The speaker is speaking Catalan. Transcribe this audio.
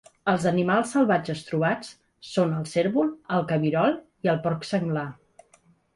Els animals salvatges trobats són el cérvol, el cabirol i el porc senglar.